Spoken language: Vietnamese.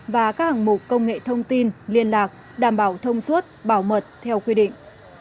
và các hạng mục công nghệ thông tin liên lạc đảm bảo thông suốt bảo mật theo quy định